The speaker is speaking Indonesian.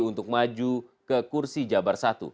untuk maju ke kursi jabar satu